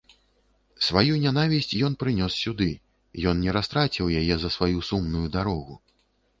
Сваю нянавісць ён прынёс сюды, ён не растраціў яе за сваю сумную дарогу.